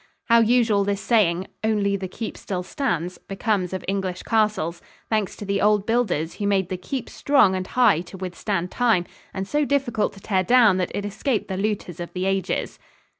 How usual this saying, "Only the keep still stands," becomes of English castles, thanks to the old builders who made the keep strong and high to withstand time, and so difficult to tear down that it escaped the looters of the ages.